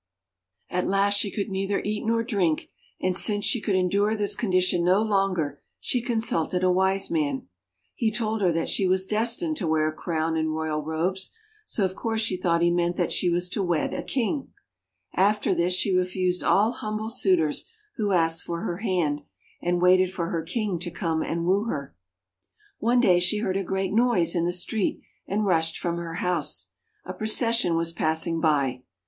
At last she could neither eat nor drink; and since she could endure this condition no longer, she consulted a Wiseman. He told her that she was destined to wear a crown and royal robes. So of course she thought he meant that she was to THE POMEGRANATE 203 wed a King. After this she refused all humble suitors who asked for her hand, and waited for her King to come and woo her. One day she heard a great noise in the street, and rushed from her house. A procession was passing by.